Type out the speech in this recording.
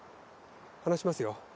話しますよ。